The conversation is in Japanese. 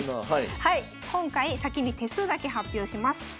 今回先に手数だけ発表します。